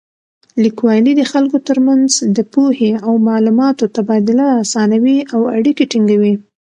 لیکوالی د خلکو تر منځ د پوهې او معلوماتو تبادله اسانوي او اړیکې ټینګوي.